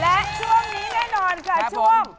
และช่วงนี้แน่นอนค่ะช่วง